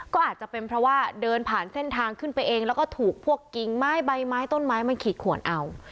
ก็อาจจะเป็นเพราะว่าเดินผ่านเส้นทางขึ้นไปเองแล้วก็ถูกพวกกิ่งไม้ใบไม้ต้นไม้มันขีดขวนเอา